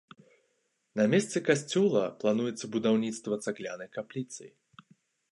На месцы касцёла плануецца будаўніцтва цаглянай капліцы.